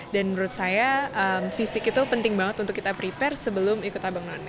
dan menurut saya fisik itu penting banget untuk kita prepare sebelum ikut abang none